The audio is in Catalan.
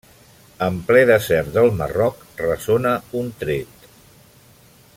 En ple desert del Marroc, ressona un tret.